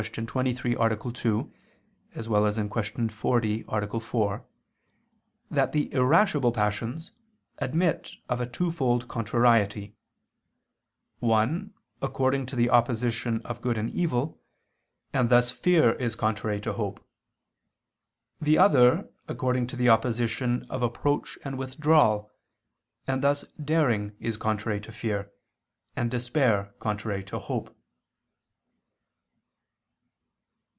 23, A. 2; Q. 40, A. 4) that the irascible passions admit of a twofold contrariety: one, according to the opposition of good and evil, and thus fear is contrary to hope: the other, according to the opposition of approach and withdrawal, and thus daring is contrary to fear, and despair contrary to hope.